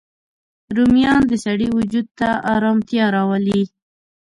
رومیان د سړی وجود ته ارامتیا راولي